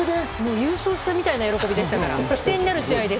優勝したみたいな喜びでしたから。